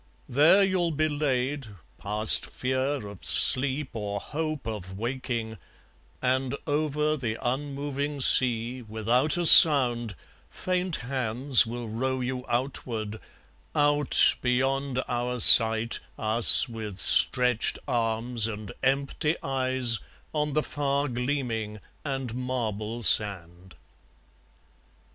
There you'll be laid, past fear of sleep or hope of waking; And over the unmoving sea, without a sound, Faint hands will row you outward, out beyond our sight, Us with stretched arms and empty eyes on the far gleaming And marble sand.